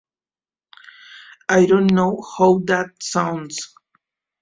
I don't know how that sounds.